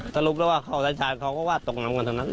สรุปแล้วว่าเข้าชายเขาก็วาดตกน้ำกันเท่านั้นแหละ